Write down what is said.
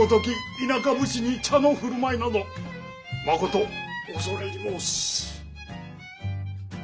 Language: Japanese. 田舎武士に茶の振る舞いなどまこと恐れ入り申す。